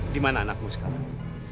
dimana anakmu sekarang